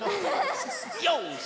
よし！